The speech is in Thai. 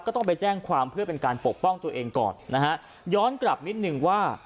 ต้องไปแจ้งความเพื่อเป็นการปกป้องตัวเองก่อนนะฮะย้อนกลับนิดนึงว่า